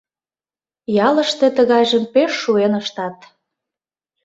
Ялыште тыгайжым пеш шуэн ыштат.